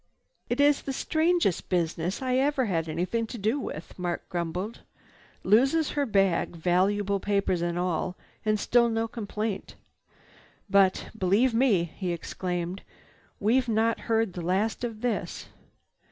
"It's the strangest business I ever had anything to do with!" Mark grumbled. "Loses her bag, valuable papers and all, and still no complaint. But believe me!" he exclaimed, "we've not heard the last of this!"